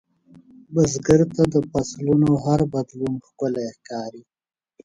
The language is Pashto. بزګر ته د فصلونـو هر بدلون ښکلی ښکاري